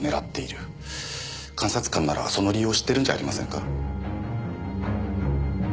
監察官ならその理由を知っているんじゃありませんか？